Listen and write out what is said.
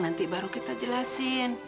nanti baru kita jelasin